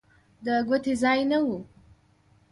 د ګوتې ځای نه و.